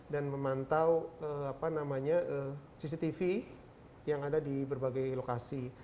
dan memantau cctv yang ada di berbagai lokasi